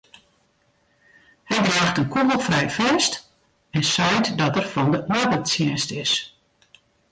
Hy draacht in kûgelfrij fest en seit dat er fan de oardertsjinst is.